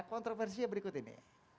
kontroversinya berikut ini